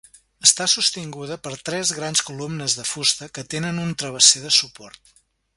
Està sostinguda per tres grans columnes de fusta que tenen un travesser de suport.